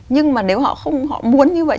nhưng mà nếu họ không họ muốn như vậy